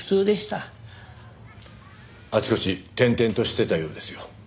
あちこち転々としてたようですよ。